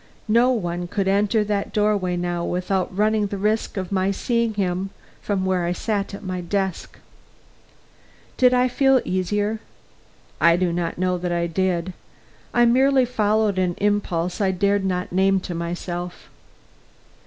No one could enter that doorway now, without running the risk of my seeing him from where I sat at my desk. Did I feel easier? I do not know that I did. I merely followed an impulse I dared not name to myself.